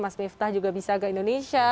mas miftah juga bisa ke indonesia